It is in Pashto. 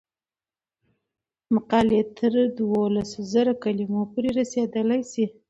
مقالې تر دولس زره کلمو پورې رسیدلی شي.